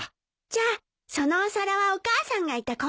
じゃあそのお皿はお母さんがいた痕跡ね。